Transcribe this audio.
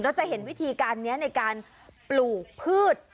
จะเห็นวิธีการนี้ในการปลูกพืช